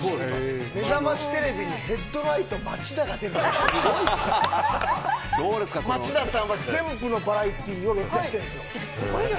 めざましテレビにヘッドライト町田が出るって町田さんは全部のバラエティーを録画してるんですよ。